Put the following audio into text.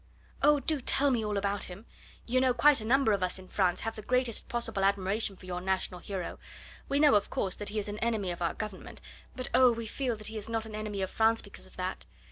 "Oh! do tell me all about him. You know quite a number of us in France have the greatest possible admiration for your national hero. We know, of course, that he is an enemy of our Government but, oh! we feel that he is not an enemy of France because of that.